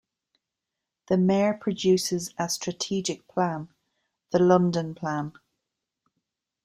The mayor produces a strategic plan, the "London Plan".